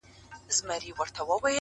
نور به شاعره زه ته چوپ ووسو،